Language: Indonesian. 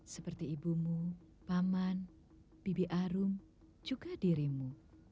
seperti ibumu paman bibi arum juga dirimu